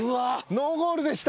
ノーゴールでした。